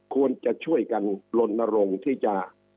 ควรจะช่วยกันลนรงค์ที่จะ